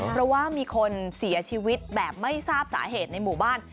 เพราะว่ามีคนเสียชีวิตแบบไม่ทราบสาเหตุในหมู่บ้าน